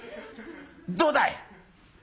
どうだい！